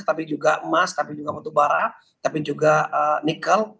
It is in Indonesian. tapi juga emas tapi juga batu bara tapi juga nikel